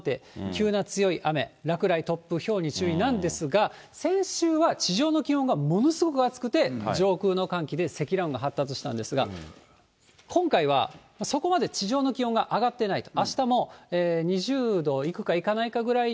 急な強い雨、落雷、突風、ひょうに注意なんですが、先週は、地上の気温がものすごく暑くて、上空の寒気で、積乱雲が発達したんですが、今回はそこまで地上の気温が上がってないと、あしたも２０度いくか、いかないかくらい。